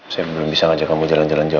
saya belum bisa ngajak kamu jalan jalan jauh